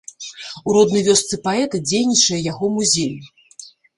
У роднай вёсцы паэта дзейнічае яго музей.